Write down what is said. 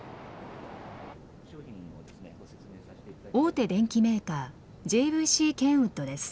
大手電機メーカーＪＶＣケンウッドです。